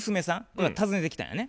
これが訪ねてきたんやね。